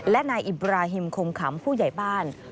และนายอิบราฮิมคมขำผู้ใหญ่บ้าน